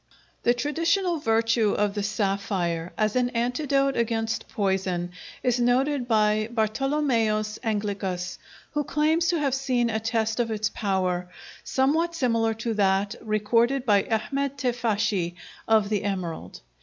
] The traditional virtue of the sapphire as an antidote against poison is noted by Bartolomæus Anglicus, who claims to have seen a test of its power, somewhat similar to that recorded by Ahmed Teifashi of the emerald.